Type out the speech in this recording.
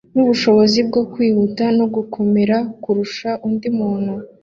nubushobozi bwo kwihuta no gukomera kurusha undi muntu